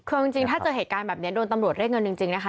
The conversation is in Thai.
คือจริงถ้าเจอเหตุการณ์แบบนี้โดนตำรวจเรียกเงินจริงนะคะ